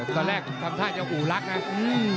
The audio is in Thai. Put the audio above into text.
ตอนแรกทำท่าจะหูรักนะ